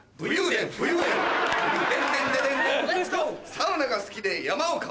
サウナが好きで山を買う。